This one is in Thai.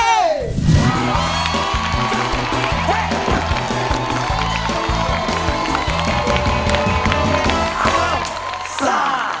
เอ้าซ่า